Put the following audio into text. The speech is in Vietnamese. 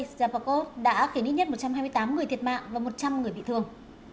sjabakov đã khiến ít nhất một trăm hai mươi tám người thiệt mạng và một trăm linh người bị thương